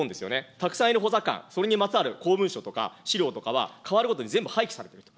たくさんいる補佐官、それにまつわる公文書とか、資料とかは、かわるごとに全部廃棄されていると。